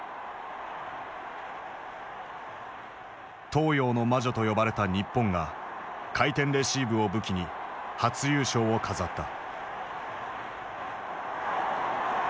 「東洋の魔女」と呼ばれた日本が「回転レシーブ」を武器に初優勝を飾った。